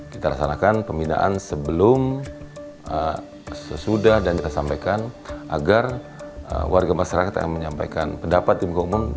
kita laksanakan pembinaan sebelum sesudah dan kita sampaikan agar warga masyarakat yang menyampaikan pendapat di muka umum